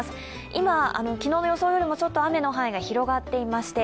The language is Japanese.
今、昨日の予想よりもちょっと雨の範囲が広がっていまして